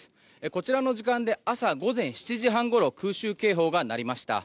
こちらの時間で午前７時半ごろ空襲警報が鳴りました。